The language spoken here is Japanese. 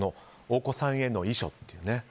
お子さんへの遺書という。